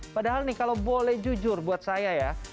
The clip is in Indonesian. padahal nih kalau boleh jujur buat saya ya